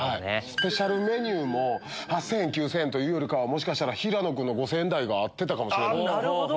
スペシャルメニューも８０００円９０００円というよりかはもしかしたら平野君の５０００円台が合ってたかも。